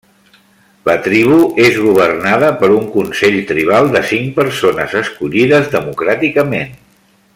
La tribu és governada per un consell tribal de cinc persones escollides democràticament.